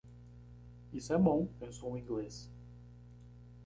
Isso é bom? pensou o inglês.